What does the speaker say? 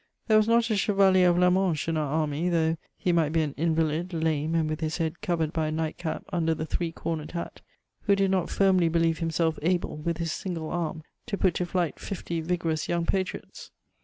There was not a chevalier of La Manche in our army, though he might be an invalid, lame, and with his head covered by a night cap under the three cornered hat, who did not firmly believe himself able, with his single arm, to put to flight fifty vigorous young patnots.